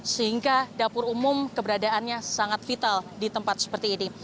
sehingga dapur umum keberadaannya sangat vital di tempat seperti ini